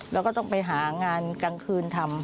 แล้วก็ต้องไปหางานกลางคืนทำ